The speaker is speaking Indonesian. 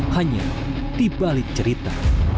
hanya di balik cerita